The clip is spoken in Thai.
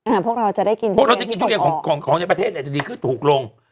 พวกเราจะได้กินพวกเราจะกินทุเรียนของของในประเทศเนี้ยจะดีขึ้นถูกลง